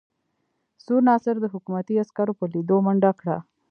سور ناصر د حکومتي عسکرو په لیدو منډه کړه.